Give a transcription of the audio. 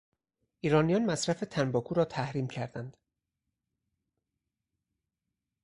ایرانیان مصرف تنباکو را تحریم کردند.